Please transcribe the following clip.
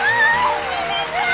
おめでとう！